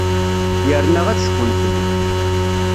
Yerna ad cfun fell-i.